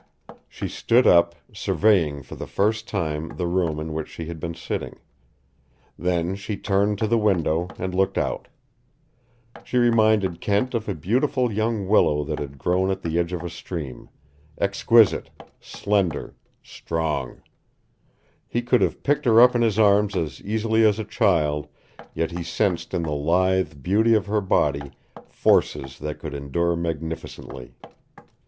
She stood up, surveying for the first time the room in which she had been sitting. Then she turned to the window and looked out. She reminded Kent of a beautiful young willow that had grown at the edge of a stream, exquisite, slender, strong. He could have picked her up in his arms as easily as a child, yet he sensed in the lithe beauty of her body forces that could endure magnificently.